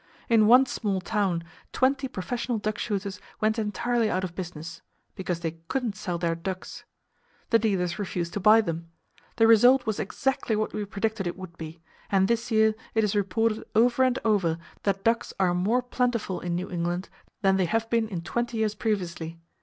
In one small town, twenty professional duck shooters went entirely out of business—because they couldn't sell their ducks! The dealers refused to buy them. The result was exactly what we predicted it would be; and this year, it is reported over and over that ducks are more plentiful in New England than they have been in twenty years previously!